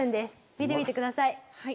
見てみてください。